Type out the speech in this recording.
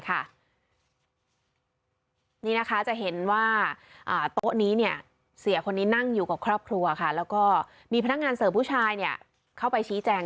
ไปดูภาพเหตุการณ์ที่เกิดขึ้นในร้านกันหน่อย